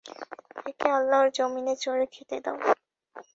একে আল্লাহর যমীনে চরে খেতে দাও।